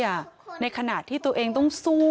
แล้วหนูก็ทั้งมีตี๊กไลด์